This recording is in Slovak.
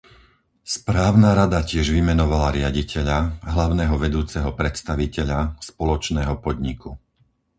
Správna rada tiež vymenovala riaditeľa, hlavného vedúceho predstaviteľa, spoločného podniku.